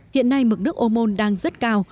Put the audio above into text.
hiện nay mực nước ôn môn đang rất cao